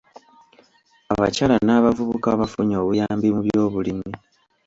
Abakyala n'abavubuka bafunye obuyambi mu by'obulimi.